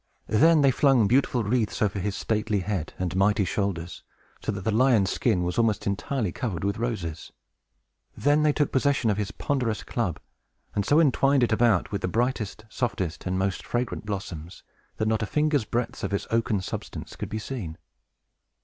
Then they flung beautiful wreaths over his stately head and mighty shoulders, so that the lion's skin was almost entirely covered with roses. They took possession of his ponderous club, and so entwined it about with the brightest, softest, and most fragrant blossoms, that not a finger's breadth of its oaken substance could be seen.